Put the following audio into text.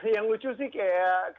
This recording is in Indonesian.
yang lucu sih kayak